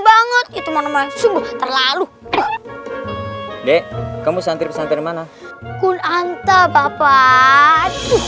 banget itu mana mana semua terlalu deh kamu santri pesantren mana kunanta bapak